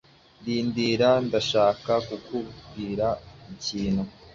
Rindira. Ndashaka kukubwira ikintu.